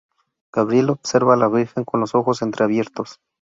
Gabriel observa a la virgen con los ojos entre abiertos.